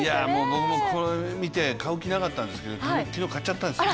僕もこれ見て買う気なかったんですけれども昨日、買っちゃったんですよ。